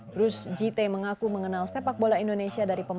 bruce jitte mengaku mengenal sepak bola indonesia dari persib